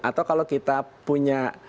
atau kalau kita punya